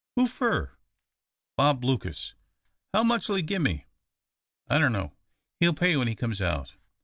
"Who fur?" "Bob Lucas." "How much'll he gimme?" "I dunno. He'll pay when he comes out."